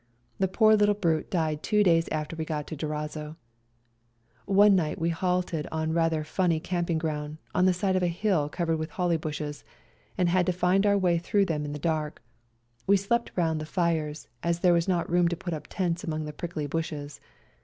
The poor little brute died two days after we got to Durazzo. One night we halted on rather funny camping ground, on the side of a hill covered with holly bushes, and had to find our way through them in the dark. We slept round the fires, as there was not room to put up tents among the prickly bushes.